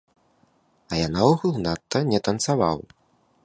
А я наогул надта не танцаваў.